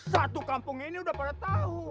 satu kampung ini udah pada tahu